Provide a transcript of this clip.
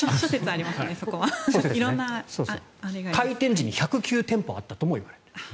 開店時に１０９店舗あったともいわれている。